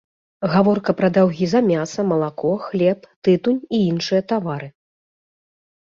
Гаворка пра даўгі да мяса, малако, хлеб, тытунь і іншыя тавары.